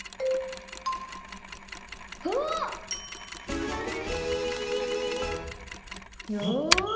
「ひらめき」よし！